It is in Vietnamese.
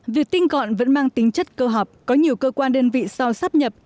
vì tinh gọn vẫn mang tính chất cơ học có nhiều cơ quan đơn vị sau sắp nhập